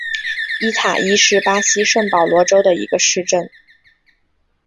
伊塔伊是巴西圣保罗州的一个市镇。